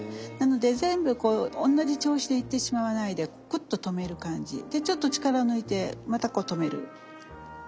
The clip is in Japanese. なので全部こう同じ調子でいってしまわないでくっと止める感じ。でちょっと力抜いてまたこう止める。